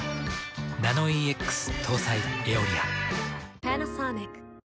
ナノイーＸ搭載「エオリア」。